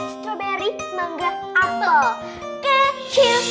strawberry mangga apple kecil